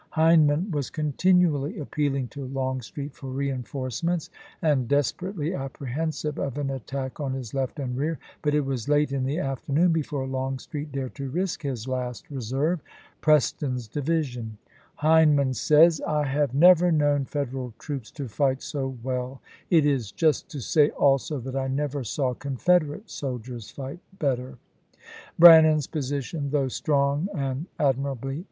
Hindman was continually appealing to Longstreet for reenforce ments and desperately apprehensive of an attack on his left and rear ; but it was late in the after noon before Longstreet dared to risk his last re serve, Preston's division. Hindman says :" I have CHICKAilAUGA 101 never known Federal troops to fight so well. It is chap. iv. just to sav, also, that I never saw Confederate sol Longstreet, ,.^,, Report. diers fight better." voi\xx Brannan's position, though strong and admu'ably ^p.